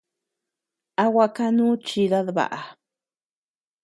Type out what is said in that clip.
¿A gua kanu chidad baʼa?